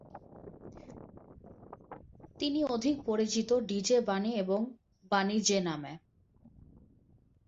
তিনি অধিক পরিচিত ভিজে বানি এবং বানি জে নামে।